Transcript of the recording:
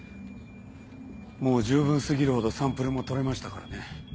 もう十分過ぎるほどサンプルも取れましたからね。